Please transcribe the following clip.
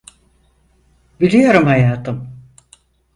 Biliyorum hayatım.